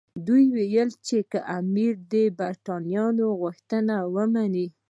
دوی ویل چې که امیر د برټانیې غوښتنې مني.